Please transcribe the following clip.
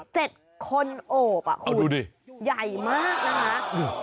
เจ็ดคนโอบอ่ะคุณใหญ่มากนะคะ